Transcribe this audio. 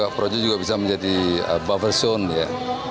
projo juga bisa menjadi buffer zone ya